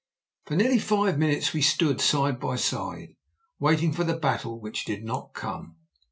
For nearly five minutes we stood, side by side, waiting for the battle which did not come.